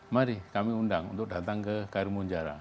mari kami undang untuk datang ke karimun jawa